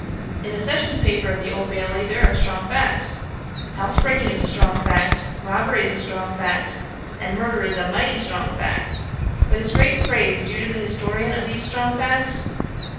In the Sessions paper of the Old Bailey there are strong facts. Housebreaking is a strong fact; robbery is a strong fact; and murder is a mighty strong fact; but is great praise due to the historian of those strong facts?